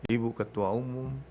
ibu ketua umum